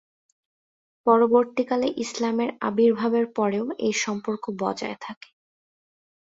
পরবর্তীকালে ইসলামের আবির্ভাবের পরেও এই সম্পর্ক বজায় থাকে।